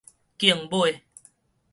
競買